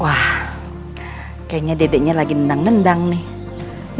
wah kayaknya dedeknya lagi nendang nendang nih